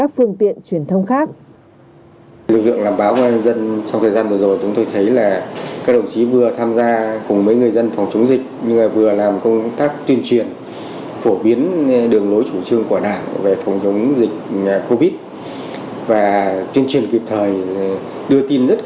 phương tiện truyền thông khác